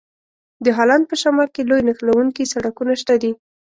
د هالند په شمال کې لوی نښلوونکي سړکونه شته دي.